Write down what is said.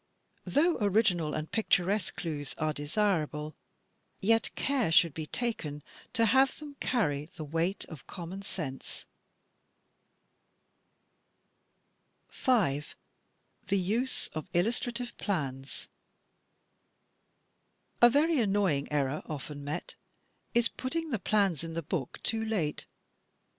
Though original and picturesque clues 2l6 THE TECHNIQUE OF THE MYSTERY STORY are desirable, yet care should be taken to have them carry the weight of common sense. 5. The Use oj Illustrative Flans A very annoying error often met, is putting the plans in the book too late.